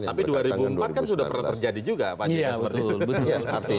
tapi dua ribu empat kan sudah pernah terjadi juga pak jk seperti itu